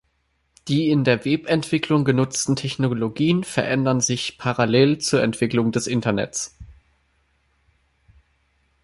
Die in der Webentwicklung genutzten Technologien veränderten sich parallel zur Entwicklung des Internets.